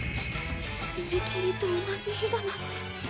締め切りと同じ日だなんて。